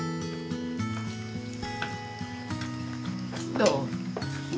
どう？